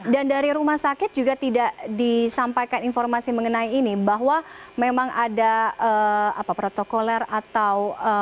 dan dari rumah sakit juga tidak disampaikan informasi mengenai ini bahwa memang ada protokoler atau